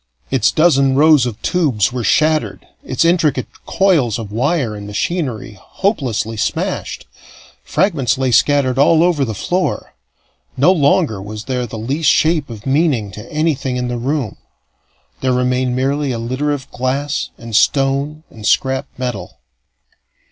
Its dozen rows of tubes were shattered, its intricate coils of wire and machinery hopelessly smashed. Fragments lay scattered all over the floor. No longer was there the least shape of meaning to anything in the room; there remained merely a litter of glass and stone and scrap metal.